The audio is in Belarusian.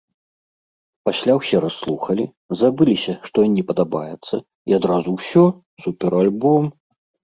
Пасля ўсе расслухалі, забыліся, што ён не падабаецца, і адразу ўсё, суперальбом!